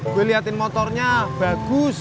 gue liatin motornya bagus